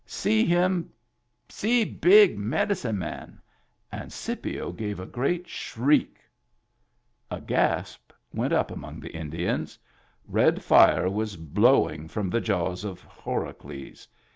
See him, see big medicine man !" And Scipio gave a great shriek. A gasp went among the Indians ; red fire was blowing from the jaws of Horacles.